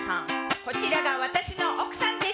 こちらが私の奥さんです。